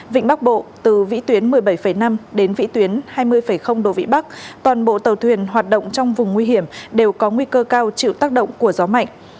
vịnh bắc bộ từ vĩ tuyến một mươi bảy năm đến vĩ tuyến hai mươi độ vĩ bắc toàn bộ tàu thuyền hoạt động trong vùng nguy hiểm đều có nguy cơ cao chịu tác động của gió mạnh